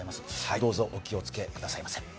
どうぞお気をつけくださいませ。